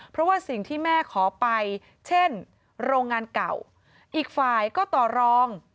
เพราะว่าสิ่งที่แม่ขอไปเช่นโรงงานเก่าอีกฝ่ายก็ต่อรอง